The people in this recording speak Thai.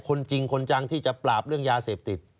คนจริงคนจังที่จะปราบเรื่องยาเสพติด